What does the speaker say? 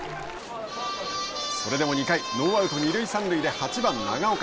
それでも２回ノーアウト、二塁三塁で８番長岡。